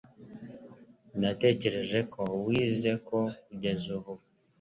Natekereje ko wize ko kugeza ubu.